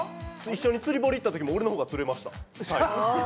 一緒に釣り堀行ったときも俺の方がつれてました。